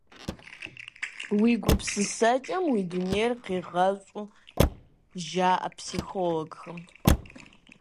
Уи гупсысэкӏэм уи дунейр къигъэщӏу жаӏэ психологхэм.